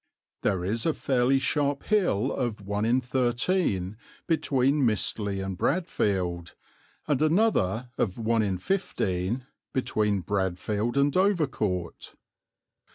There is a fairly sharp hill of 1 in 13 between Mistley and Bradfield, and another of 1 in 15 between Bradfield and Dovercourt.